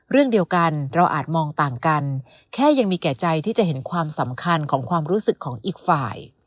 เรื่องเดียวกันเราอาจมองต่างกันแค่ยังมีแก่ใจที่จะเห็นความสำคัญของความรู้สึกของอีกฝ่าย